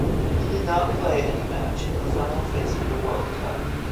He did not play any match in the final phase of the World Cup.